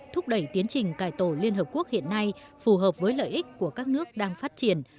thúc đẩy tiến trình cải tổ liên hợp quốc hiện nay phù hợp với lợi ích của các nước đang phát triển